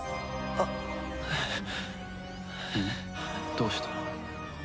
どうした？